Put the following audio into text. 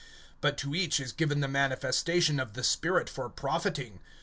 (7)But to each is given the manifestation of the Spirit, for profiting.